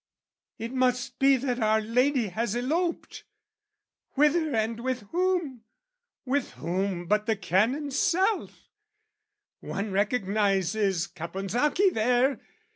"It must be that our lady has eloped!" "Whither and with whom?" "With whom but the Canon's self? "One recognises Caponsacchi there!"